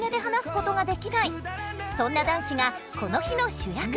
そんな男子がこの日の主役。